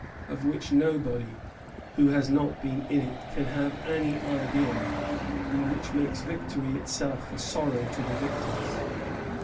of which nobody who has not been in it can have any idea, and which makes victory itself a sorrow to the victors.